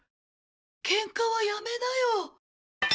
ケンカはやめなよ。